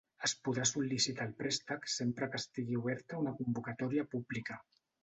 Es podrà sol·licitar el préstec sempre que estigui oberta una convocatòria pública.